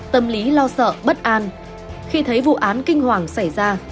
tâm lý lo sợ bất an khi thấy vụ án kinh hoàng xảy ra